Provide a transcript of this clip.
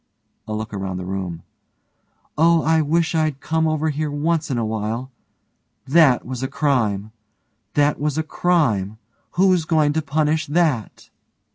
(a look around the room) Oh, I wish I'd come over here once in a while! That was a crime! That was a crime! Who's going to punish that?